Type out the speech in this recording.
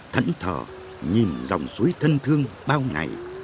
tỉnh thở nhìn dòng suối thân thương bao ngày